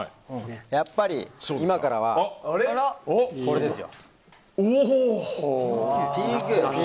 やっぱり今からはこれですよ。